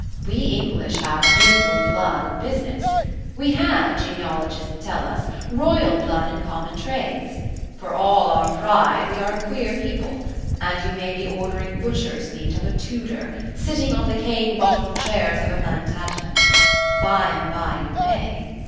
We English have ducal blood in business: we have, genealogists tell us, royal blood in common trades. For all our pride we are a queer people; and you may be ordering butcher's meat of a Tudor, sitting on the cane bottom chairs of a Plantagenet. By and by you may